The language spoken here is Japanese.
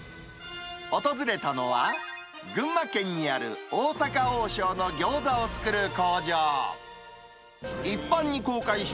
訪れたのは、群馬県にある大阪王将のギョーザを作る工場。